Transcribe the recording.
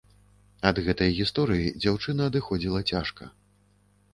Ад гэтай гісторыі дзяўчына адыходзіла цяжка.